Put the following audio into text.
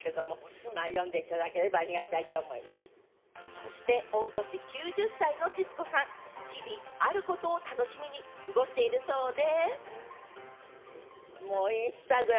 そして御年９０歳の徹子さん、日々、あることを楽しみに過ごしているそうで。